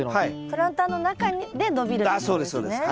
プランターの中で伸びるということですね。